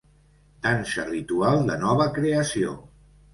Dansa ritual de nova creació.